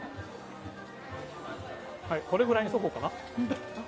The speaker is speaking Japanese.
これぐらいにしとこうかな。